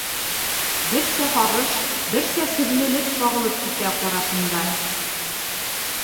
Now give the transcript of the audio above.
Берсә һағыш, берсә серлелек сағылып китә ҡарашында.